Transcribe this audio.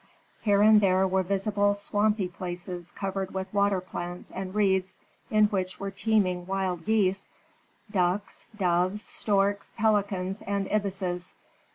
Here and there were visible swampy places covered with water plants and reeds in which were teeming wild geese, ducks, doves, storks, pelicans, and ibises.